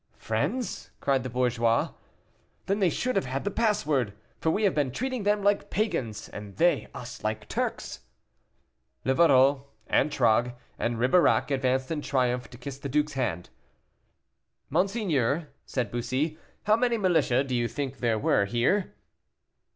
"Friends!" cried the bourgeois, "then they should have had the password; for we have been treating them like Pagans and they us like Turks." Livarot, Antragues, and Ribeirac advanced in triumph to kiss the duke's hand. "Monseigneur," said Bussy, "how many militia do you think there were here?"